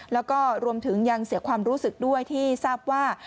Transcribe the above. แล้วก็รวมถึงยังเสียความรู้สึกด้วยที่ทราบว่า